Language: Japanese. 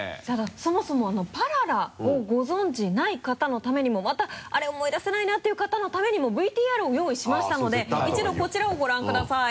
そもそもＰＡＲＡＲＡをご存じない方のためにもまた「あれ？思い出せないな」っていう方のためにもＶＴＲを用意しましたので一度こちらをご覧ください。